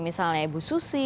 misalnya ibu susi